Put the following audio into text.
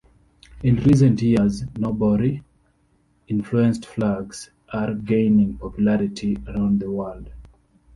In recent years, "nobori" influenced flags are gaining popularity around the world.